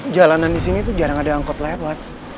jalanan disini tuh jarang ada angkot lewat